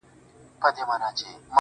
• چي ښکلي سترګي ستا وویني.